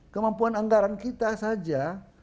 kemampuan anggaran kita saja